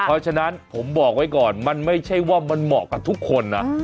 เพราะฉะนั้นผมบอกไว้ก่อนมันไม่ใช่ว่ามันเหมาะกับทุกคนนะ